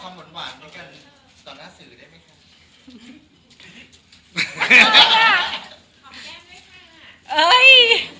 ตอนหน้าสื่อได้มั้ยคะ